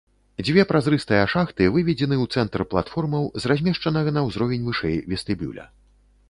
Дзве празрыстыя шахты выведзены ў цэнтр платформаў з размешчанага на ўзровень вышэй вестыбюля.